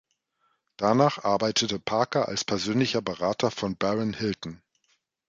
Danach arbeitete Parker als persönlicher Berater von Barron Hilton.